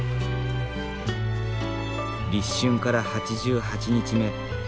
立春から８８日目。